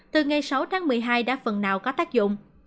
từ ngày sáu tháng một mươi hai đã phần nào có tác dụng